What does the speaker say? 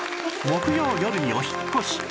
木曜よるにお引っ越し